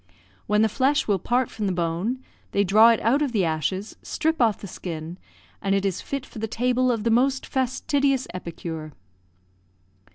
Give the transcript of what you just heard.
When the flesh will part from the bone, they draw it out of the ashes, strip off the skin, and it is fit for the table of the most fastidious epicure.